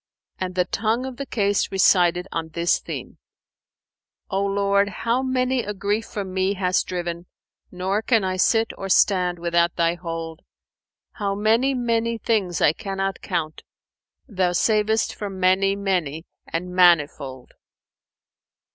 And the tongue of the case recited on this theme, "O Lord, how many a grief from me hast driven * Nor can I sit or stand without Thy hold: How many many things I cannot count, * Thou sav'st from many many and manifold!"